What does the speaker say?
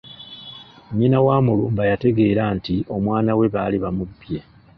Nnyina wa Mulumba yategeera nti omwana we baali bamubbye.